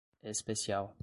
especial